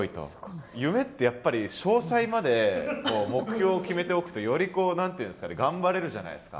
夢ってやっぱり詳細まで目標を決めておくとよりこう何て言うんですかね頑張れるじゃないですか。